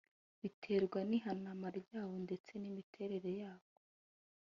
biterwa n’ihanama ryayo ndetse n’imiterere yako